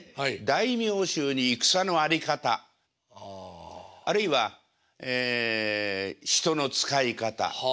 大名衆に戦の在り方あるいはええ人の使い方